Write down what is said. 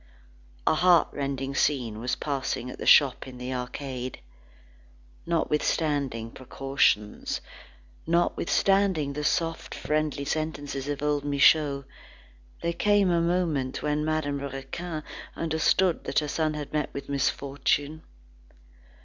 A heartrending scene was passing at the shop in the arcade. Notwithstanding precautions, notwithstanding the soft, friendly sentences of old Michaud, there came a moment when Madame Raquin understood that her son had met with misfortune.